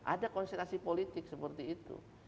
ada konsentrasi politik seperti itu